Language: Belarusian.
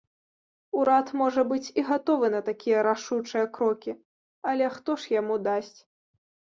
Урад, можа быць, і гатовы на такія рашучыя крокі, але хто ж яму дасць?